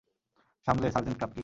সামলে, sergeant Krupke.